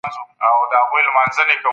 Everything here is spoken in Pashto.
يوه جملې لوستل لوستونکي بلې ته اړوي.